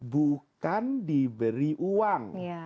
bukan diberi uang